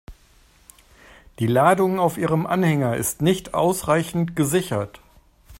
Die Ladung auf Ihrem Anhänger ist nicht ausreichend gesichert.